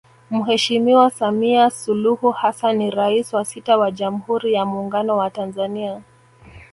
Mheshimiwa Samia Suluhu Hassan ni Rais wa sita wa Jamhuri ya Muungano wa Tanzania